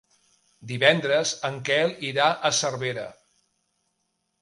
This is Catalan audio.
Divendres en Quel irà a Cervera.